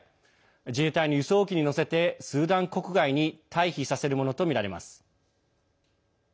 自衛隊の輸送機に乗せてスーダン国外に退避させるものとみられます。